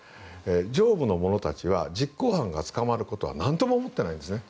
上部の者たちは実行犯が捕まることは何とも思っていないんですね。